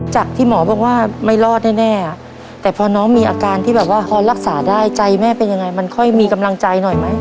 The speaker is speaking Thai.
จากที่หมอบอกว่าไม่รอดแน่แต่พอน้องมีอาการที่แบบว่าพอรักษาได้ใจแม่เป็นยังไงมันค่อยมีกำลังใจหน่อยไหม